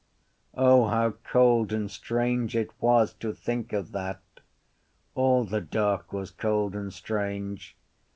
O how cold and strange it was to think of that! All the dark was cold and strange.